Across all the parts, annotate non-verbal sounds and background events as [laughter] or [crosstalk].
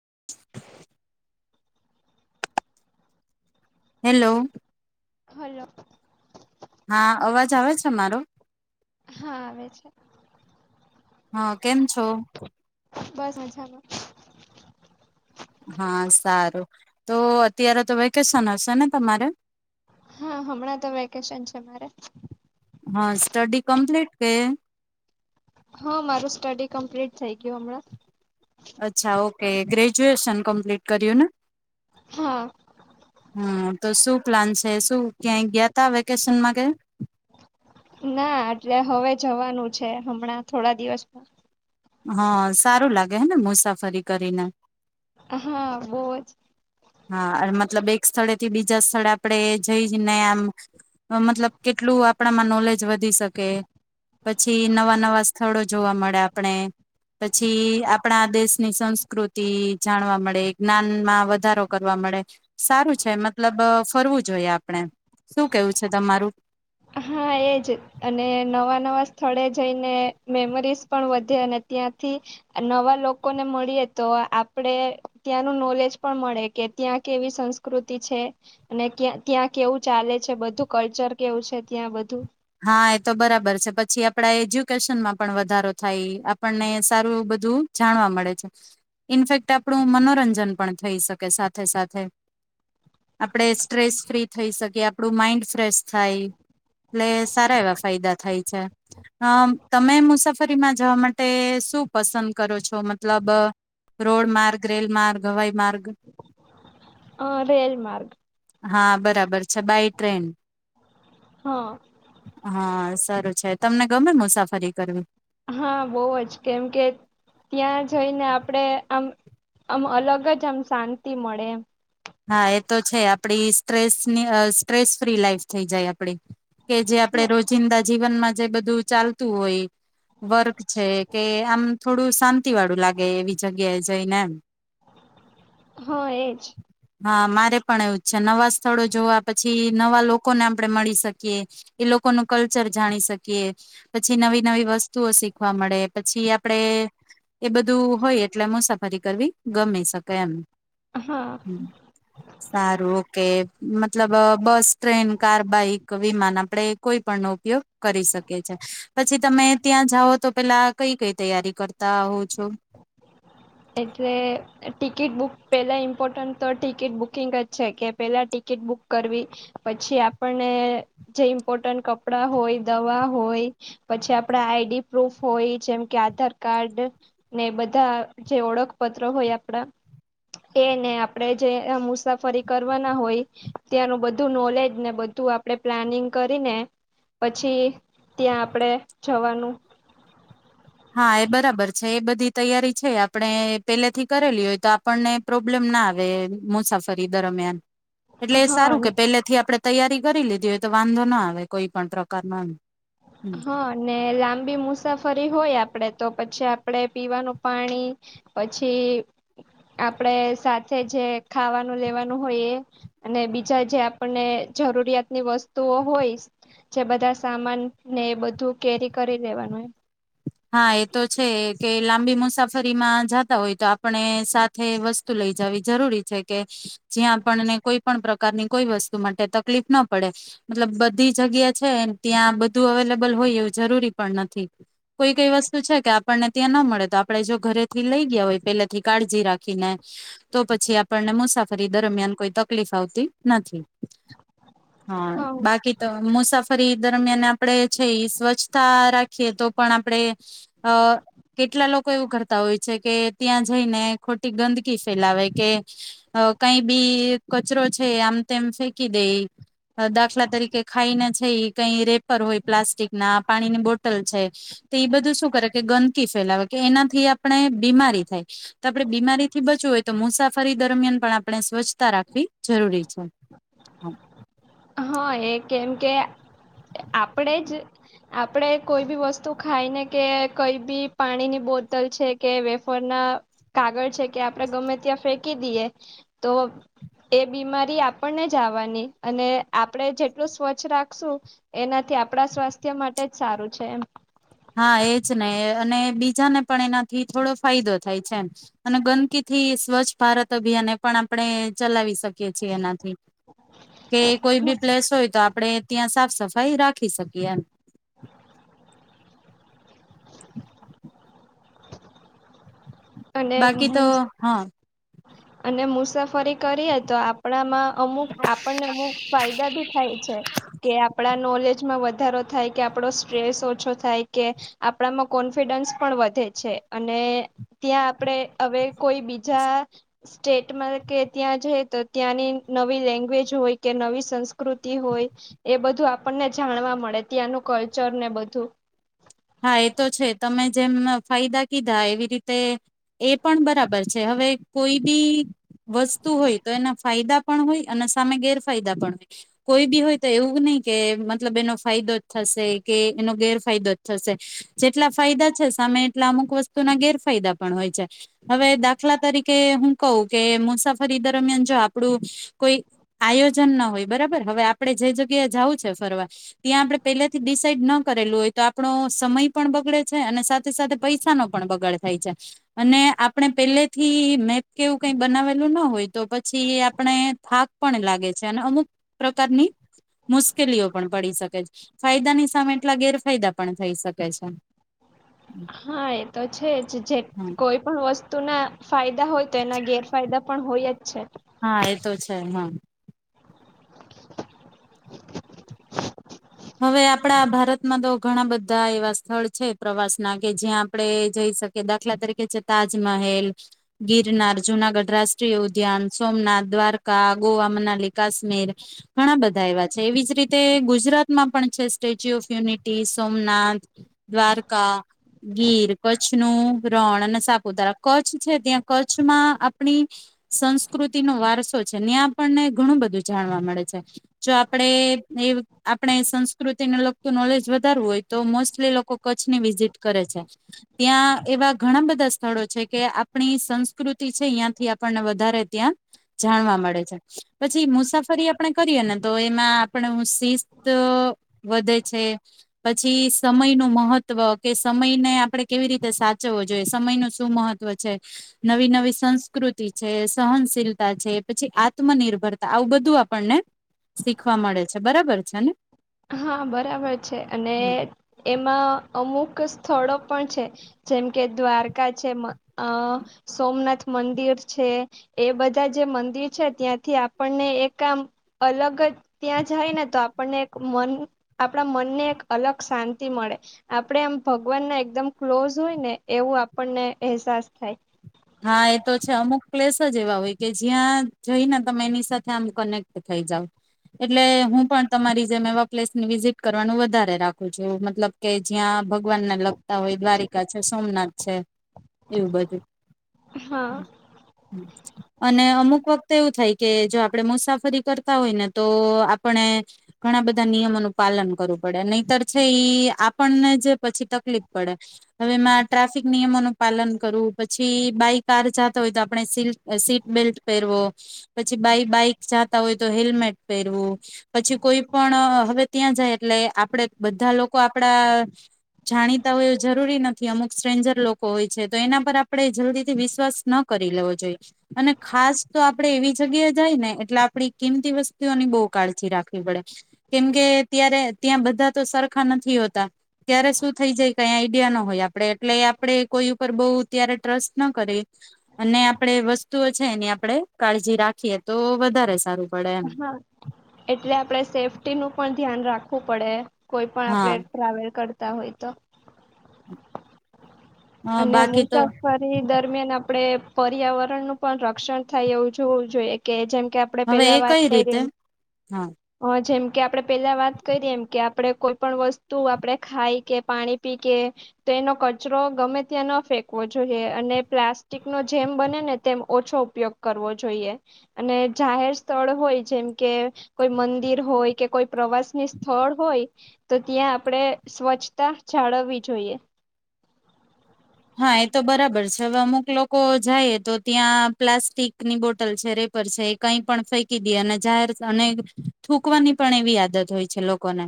[inaudible] Hello. Hello. હા. અવાજ આવે છે મારો? હા આવે છે. હા. કેમ છો? બસ મજામાં. હા સારું તો અત્યારે તો વેકેશન હશે ને તમારે. હા હમણાં તો વેકેશન છે મારે. હા સ્ટડી કમ્પ્લીટ કે. હા મારું સ્ટડી કમ્પ્લીટ થઈ ગયું હમણાં. અચ્છા ઓકે ગ્રેજ્યુએશન કમ્પ્લીટ કર્યું ને. હા. હમ્મ તો શું પ્લાન છે. શું ક્યાંય ગયા ત વેકેશનમાં કે, ના એટલે હવે જવાનું છે હમણાં થોડા દિવસમાં. હા સારું લાગે હેને મુસાફરી કરીને. હા બોજ. હા મતલબ એક સ્થળેથી બીજા સ્થળે આપડે જઈને આમ મતલબ કેટલું આપણામાં નોલેજ વધી શકે પછી નવા-નવા સ્થળો જોવા મળે આપણે પછી આપણા દેશની સંસ્કૃતિ જાણવા મળે જ્ઞાનમાં વધારો કરવા મળે સારું છે. મતલબ ફરવું જોઈએ આપણે શું કેવું છે તમારું. હા એજ અને નવા-નવા સ્થળે જઈને મેમરીઝ પણ વધે અને ત્યાંથી નવા લોકોને મળીએ તો આપડે ત્યાંનું નોલેજ પણ મળે કે ત્યાં કેવી સંસ્કૃતિ છે અને ત્યાં કેવું ચાલે છે બધું કલ્ચર કેવું છે ત્યાં બધું. બધું. હા એ તો બરાબર છે પછી આપણા એજ્યુકેશનમાં પણ વધારો થાય આપણને સારું બધું જાણવા મળે છે ઇનફેક્ટ આપણું મનોરંજન પણ થઈ શકે સાથે સાથે આપણે સ્ટ્રેસ ફ્રી થઈ શકીએ આપણું માઈન્ડ ફ્રેશ થાય. એટલે સારા એવા ફાયદા થાય છે અ તમે મુસાફરીમાં જવા માટે શું પસંદ કરો છો મતલબ રોડ માર્ગ, રેલ માર્ગ, હવાઈ માર્ગ. અ રેલ માર્ગ. હા બરાબર છે બાય ટ્રેન. હા હા. સારું છે તમને ગમે મુસાફરી કરવી. હા બઉજ કેમ કે ત્યાં જઈને આપણેે આમ આમ અલગ જ આમ શાંતિ મળે એમ. હા એ તો છે આપડી સ્ટ્રેસની સ્ટ્રેસ ફ્રી લાઈફ થઈ જાય આપડી. કે જે આપડે હા રોજિંદા જીવનમાં જે બધું ચાલતું હોય, વર્ક છે કે આમ થોડું શાંતિ વાળું લાગે એવી જગ્યા એ જઈને એમ. હા એજ. હા મારે પણ એવું છે નવા સ્થળો જોવા પછી નવા લોકોને આપણે મળી શકીએ, એ લોકોનું કલ્ચર જાણી શકીએ, પછી નવી નવી વસ્તુઓ શીખવા મળે પછી આપણેે, એ બધું હોય એટલે મુસાફરી કરવી ગમી શકે એમ. હા સારું ઓ કે. મતલબ બસ ટ્રેન કાર બાઈક વિમાન આપડે કોઈ પણ નો ઉપયોગ કરી શકીએ છે પછી તમે ત્યાં જાઓ તો પેલા કઈ કઈ તૈયારી કર. તા હું છું. એટલે ટિકિટ બુક પેલા ઇમ્પોર્ટન્ટ તો ટિકિટ બુકિંગ જ છે કે પેલા ટિકિટ બુક કરવી પછી આપણને જે ઇમ્પોર્ટન્ટ કપડાં હોય દવા હોય પછી આપડા આઈડી પ્રૂફ હોય જેમ કે આધાર કાર્ડ ને બધા જે ઓળખપત્ર હોય આપણા એને આપણે જે મુસાફરી કરવાના હોય ત્યાંનું બધું નોલેજ ને બધું આપણે પ્લાનિંગ કરીને પછી ત્યાં આપણેે જવાનું. હા એ બરાબર છે એ બધી તૈયારી છે આપણે પેલેથી કરેલી હોય તો આપણને પ્રોબ્લેમ ના આવે મુસાફરી દરમિયાન એટલે એ સારું કે હા પેલે થી આપડે તૈયારી કરી લીધી હોય તો વાંધો ના આવે કોઈ પણ પ્રકાર ન હા ને લાંબી મુસાફરી હોય આ આપડે તો પછી આપડે પીવાનું પાણી પછી આપડે સાથે જે ખાવાનું લેવાનું હોય એ અને બીજા જે આપણને જરૂરિયાતની વસ્તુઓ હોય જે બધા સામાન ને એ બધું કેરી કરી દેવાનું એમ હા એ તો છે કે લાંબી મુસાફરીમાં જાતા હોય તો આપણે સાથે વસ્તુ લઈ જવી જરૂરી છે કે જ્યાં આપણને કોઈ પણ પ્રકારની કોઈ વસ્તુ માટે તકલીફ ના પડે મતલબ બધી જગ્યા છે ત્યાં બધું અવેલેબલ હોય એવું જરૂરી પણ નથી. કોઈ કઈ વસ્તુ છે કે આપણને ત્યાં ના મળે તો આપણે જો ઘરેથી લઈ ગયા હોય પેલેથી કાળજી રાખીને તો પછી આપણને મુસાફરી દરમિયાન કોઈ તકલીફ આવતી નથી. હા, બાકી તો મુસા ફરી દરમિયાન આપડે છે સ્વચ્છતા રાખીએ, તો. પણ આપડે અ કેટલા લોકો એવું કરતા હોય છે કે ત્યાં જઈને ખોટી ગંદકી ફેલાવે, કે કંઈ બી કચરો છે આમ તેમ ફેંકી દે. દાખલા તરીકે, ખાઈને જઈ કંઈ રેપર હોય, પ્લાસ્ટિક ના પાણીની બોટલ છે. તો એ બધું શું કરે? કે ગંદકી ફેલાવે. કે એનાથી આપણે બીમારી થાય. તો આપણે બીમારીથી બચવું હોય, તો મુસાફરી દરમિયાન પણ આપણે સ્વચ્છતા રાખવી જરૂરી છે. હા, એ કેમ કે આપણે જ આપણે કોઈ બી વસ્તુ ખાઈને, કે કંઈ બી પાણીની બોટલ છે, કે વેફરના કાગળ છે કે આપણે ગમે ત્યાં ફેંકી દઈએ, તો એ બીમારી આપણને જ આવવાની અને આપડે જેટલું સ્વચ્છ રાખશું એનાથી આપણા સ્વાસ્થ્ય માટે જ સારું છે એમ હા એજ ને અને બીજાને પણ એના થી થોડો ફાયદો થાય છે એમ. અને ગંદકી થી સ્વચ્છ ભારત અભિયાન એ પણ આપણે ચલાવીશ શકીકીએ છે એનાથી કે કોઈ બી પ્લેસ હોય તો આપ આપણે ત્યાં સાફ સફાઈ રાખી શકીએ એમ. અને બાકી તો મુ હ. [inaudible] અને મુસાફરી કરીએ તો આપણામાં અમુક આપણને અમુક ફાયદા ભી થાય છે કે આપડા નોલેજ માં વધારો થાય કે આપડો સ્ટ્રેસ ઓછો થાય કે આપણામાં કોન્ફિડન્સ પણ વધે છે અને ત્યાં આપણે હવે કોઈ બીજા સ્ટેટમાં કે ત્યાં જાય તો ત્યાંની નવી લેંગ્વેજ હોય કે નવી સંસ્કૃતિ હોય એ બધું આપણને જાણવા મળે ત્યાંનું કલ્ચર ને બધું હા એ તો છે તમે જેમ ફાયદા કીધા એવી રીતે એ પણ બરાબર છે હવે કોઈ બી વસ્તુ હોય તો એના ફાયદા પણ હોય અને સામે ગેરફાયદા પણ હોય કોઈ બી હોય તો એવું નહી કે મતલબ એનો ફાયદો જ થશે કે એનો ગેરફાયદો જ થશે જેટલા ફાયદા છે સામે એટલા અમુક વસ્તુના ગેરફાયદા પણ હોય છે હવે દાખલા તરીકે હું કહું કે મુસાફરી દરમિયાન જો આપડું કોઈ આયોજન ન હોય બરાબર હવે આપડણે જે જગ્યા જવું છે ફરવા ત્યાં આપડે પેલાથી ડિસાઇડ ન કરેલું હોય તો આપણો સમય પણ બગડે છે અને સાથે સાથે પૈસાનો પણ બગાડ થાય છે અને આપણે પહેલે થી મેપ કેવું કઈ બનાવેલું ન હોય તો પછી આપણે થાક પણ લાગે છે અને અમુક પ્રકારની મુશ્કેલીઓ પણ પડી શકે છે ફાયદાની સામે એટલા ગેરફાયદા પણ થઈ શકે છે. હા એ તો છે જ જે કોઈ પણ વસ્તુ તું ના ફાયદા હોય તો એના ગેરફાયદા પણ હોય જ છે. હા એ તો હા એમાં હવે આપણા ભારતમાં તો ઘણા બધા એવા સ્થળ છે પ્રવાસના કે જ્યાં આપણે જઈ શકીએ દાખલા તરીકે છે તાજમહેલ ગિરનાર જુનાગઢ રાષ્ટ્રીય ઉદ્યાન સોમનાથ દ્વારકા ગોવા મનાલી કાશ્મીર ઘણા બધા એવા છે એવી જ રીતે ગુજરાત માં પણ છે statue of unity Somnath Dwarka Gir કચ્છનું રણ અને સાપુતારા કચ્છ છે ત્યાં કચ્છમાં આપણી સંસ્કૃતિ નો વારસો છે ત્યાં આપણને ઘણું બધું જાણવા મળે છે જો આપણેે એ આપણે સંસ્કૃતિને લગતું નોલેજ વધારવું હોય તો મોસ્ટલી લોકો કચ્છની વિઝિટ કરે છે ત્યાં એવા ઘણા બધા સ્થળો છે કે આપણી સંસ્કૃતિ છે ત્યાંથી આપણને વધારે ત્યાં જાણવા મળે છે પછી મુસાફરી આપણે કરીએ ને તો એમાં આપણે સીસથ વધે છે પછી સમય ન મહત્વ કે સમયને આપણે કેવી રીતે સાચવવો જોઈએ સમય ન શું મહત્વ છે નવી નવી સંસ્કૃતિ છે સહનશીલતા છે પછી આત્મનિર્ભરતા આવું બધું આપણને શીખવા મળે છે બરાબર છે ને હા બરાબર છે અને એમાં. અમુક સ્થળો પણ છે જેમ કે દ્વારકા છે અ સોમનાથ મંદિર છે એ બધા જે મંદિર છે ત્યાંથી આપણને એક આમ અલગ જ ત્યાં જાયને તો આપણને મન આપણા મનને એક અલગ શાંતિ મળે આપણે એમ ભગવાનને એકદમ ક્લોઝ હોય ને એવું આપણને અહેસાસ થાય હા એ તો છે અમુક પ્લેસ જ એવા હોય કે જ્યાં જઈને તમે એની સાથે આમ કનેક્ટ થઈ જાવ એટલે હું પણ તમારી જેમ એવા પ્લેસને વિઝિટ કરવાનું વધારે રાખું છું મતલબ કે જ્યાં ભગવાનને લગતા હોય દ્વારિકા છે સોમનાથ છે એવું બધું હા અને અમુક વખતે એવું થાય કે જો આપે મુસાફરી કરતા હોય ને તો આપણે ઘણા બધા નિયમોનું પાલન કરવું પડે નહીતર છે આપણને જે પછી તકલીફ પડે હવે એમાં ટ્રાફિક નિયમોનું પાલન કરવું પછી બાય કાર જાતા હોય તો આપણે સી સીટ બેલ્ટ પહેરવો પછી બાય બાઈક જાતા હોય તો હેલ્મેટ પહેરવું પછી કોઈ પણ હવે ત્યાં જાય એટલે આપણે બધા લોકો આપડા જાણીતા હોય એ જરૂરી નથી અમુક સ્ટ્રેન્જર લોકો હોય છે તો એના પર આપણે જલ્દી વિશ્વાસ ન કરી લેવો જોઈએ અને ખાસ તો આપણે એવી જગ્યા જાય ને એટલે આપડી કિંમતી વસ્તુઓની બહુ કાળજી રાખવી પડે કેમકે ત્યારે ત્યાં બધા તો સરખા નથી હોતા ત્યારે શું થઈ જાય કઈ આઈડિયા ન હોય આપણે એટલે આપે કોઈ ઉપર બહુ ત્યારે ટ્રસ્ટ ન કરી અને આપણેે વસ્તુઓ છે એની આપણેે કાળજી રાખીએ તો વધારે સારું. પડે એમ હા એટલે આપડે સેફ્ટી નું પણ ધ્યાન રાખ પડે. કોઈ પણ આપણે હા ટ્રાવેલ કરતા, તા હોય તો અને બાકી તો મુસાફરી દરમિયાન આપણે પર્યાવરણનું પણ રક્ષણ થાય એવું જોવું જોઈએ કે જેમ કે આપડે હવે પેલા એ વાત કઈ કરી રીતે એમ હા હ જેમ કે આપણે પેલા વાત કરીએ એમ કે આપણે કોઈ પણ વસ્તુ આપણે ખાઈ કે પાણી પી કે તો એનો કચરો ગમે ત્યાં ન ફેંકવો જોઈએ અને પ્લાસ્ટિક નો જેમ બને ને તેમ ઓછો ઉપયોગ કરવો જોઈએ અને જાહેર સ્થળ હોય જેમ કે કોઈ મંદિર હોય કે કોઈ પ્રવાસની સ્થળ હોય તો ત્યાં આપણેે સ્વચ્છતા જાળવવી જોઈએ. હા એ તો બરાબર છે, હવે અમુક લોકો જાઈ તો ત્યાં પ્લાસ્ટિકની બોટલ છે, રેપર છે, એ કંઈ પણ ફેંકી દે અને જાહેર અને થૂકવાની પણ એવી આદત હોય છે લોકોને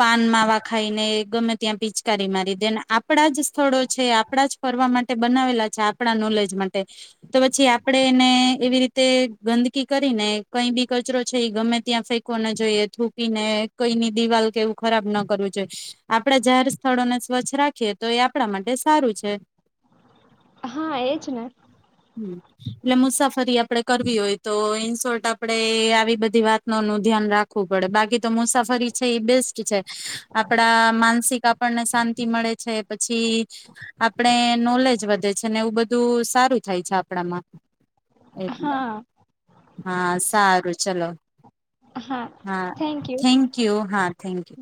પાન માવા ખાઈને ગમે ત્યાં પિચકારી મારી દેને આપણા જ સ્થળો આપણા જ ફરવા માટે બનાવેલા છે આપણા નોલેજ માટે તો પછી આપણેે એને એવી રીતે ગંદકી કરીને કઈ બી કચરો છે એ ગમે ત્યાં ફેંકવો ના જોઈએ થૂકીને કઈની દિવાલ કે એવું ખરાબ ના કરવું જોઈએ, આપડા જાહેર સ્થળોને સ્વચ્છ રાખીએ તો એ આપણા માટે સારું છે. હા એજ ને, હ એટલે મુસાફરી આપડે કરવી હોય તો ઈન શોર્ટ આપણે આવી બધી વાતનોનું ધ્યાન રાખવું પડે બાકી તો મુસાફરી છે એ બેસ્ટ છે આપડા માનસિક આપણને શાંતિ મળે છે, પછી આપણે નોલેજ વધે છે ને એવું બધું સારું થાય છે. આપણામાં એટલે હા હા સારું ચલો હા થેન્ક યુ, હા થેન્ક યુ